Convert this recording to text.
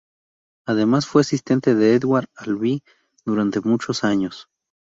Además fue asistente de Edward Albee durante muchos años.